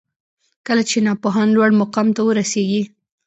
کله چي ناپوهان لوړ مقام ته ورسیږي